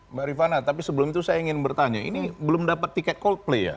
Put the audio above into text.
mbak rifana tapi sebelum itu saya ingin bertanya ini belum dapat tiket coldplay ya